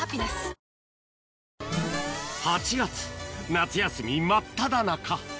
夏休み真っただ中